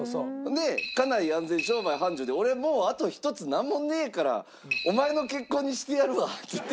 で家内安全商売繁盛で「俺もうあと一つなんもねえからお前の結婚にしてやるわ」って言って。